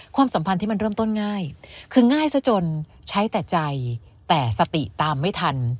สัมพันธ์ที่มันเริ่มต้นง่ายคือง่ายซะจนใช้แต่ใจแต่สติตามไม่ทัน